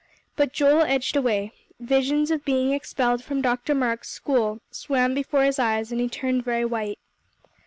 But Joel edged away. Visions of being expelled from Dr. Marks' school swam before his eyes, and he turned very white.